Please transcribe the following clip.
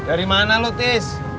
dari mana lu tis